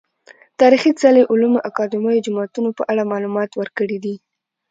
تاريخي څلي، علومو اکادميو، جوماتونه په اړه معلومات ورکړي دي